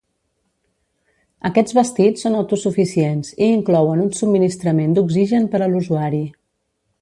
Aquests vestits són autosuficients i inclouen un subministrament d'oxigen per a l'usuari.